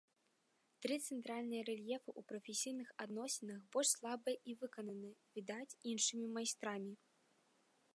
Тры цэнтральныя рэльефы ў прафесійных адносінах больш слабыя і выкананы, відаць, іншымі майстрамі.